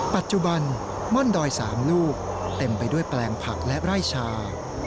ปัจจุบันม่อนดอย๓ลูกเต็มไปด้วยแปลงผักและไร่ชา